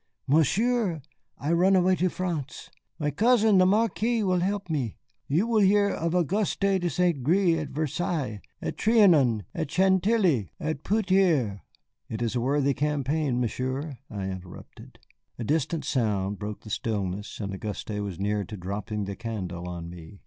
"Monsieur, I run away to France. My cousin the Marquis will help me. You will hear of Auguste de St. Gré at Versailles, at Trianon, at Chantilly, and peut être " "It is a worthy campaign, Monsieur," I interrupted. A distant sound broke the stillness, and Auguste was near to dropping the candle on me.